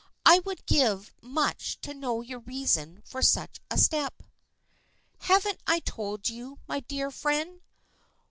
I would give much to know your reason for such a step." "Haven't I told you, my dear friend?